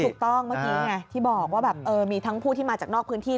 เมื่อกี้ไงที่บอกว่าแบบมีทั้งผู้ที่มาจากนอกพื้นที่